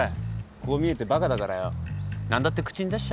こう見えてバカだからよ何だって口に出しちゃうんだよ。